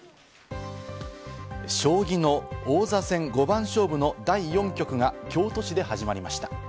将棋の王座戦五番勝負の第４局が、京都市で始まりました。